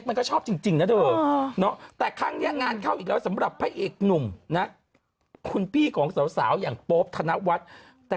ไม่ก็แฉ้หน่อยกี๊มาให้มีคนไดร็กหา